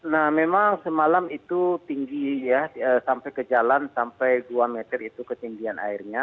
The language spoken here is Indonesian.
nah memang semalam itu tinggi ya sampai ke jalan sampai dua meter itu ketinggian airnya